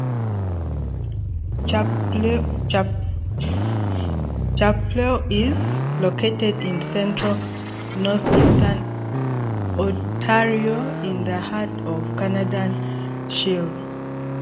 Chapleau is located in central Northeastern Ontario, in the heart of the Canadian Shield.